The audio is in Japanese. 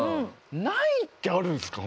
ないってあるんですか？